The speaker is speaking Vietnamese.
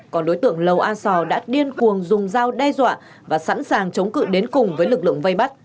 còn đối tượng lầu a sò đã điên cuồng dùng dao đe dọa và sẵn sàng chống cự đến cùng với lực lượng vây bắt